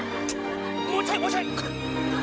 もうちょいもうちょい！